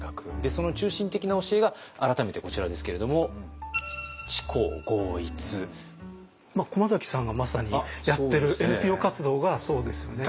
その中心的な教えが改めてこちらですけれども駒崎さんがまさにやってるＮＰＯ活動がそうですよね。